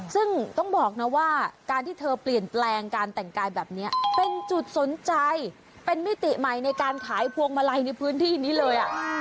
ซึ่งต้องบอกนะว่าการที่เธอเปลี่ยนแปลงการแต่งกายแบบนี้เป็นจุดสนใจเป็นมิติใหม่ในการขายพวงมาลัยในพื้นที่นี้เลย